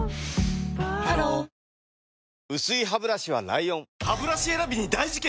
ハロー薄いハブラシは ＬＩＯＮハブラシ選びに大事件！